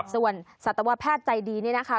ส่วนสัตวแพทย์ใจดีนี่นะคะ